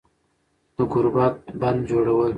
د گوربت بندجوړول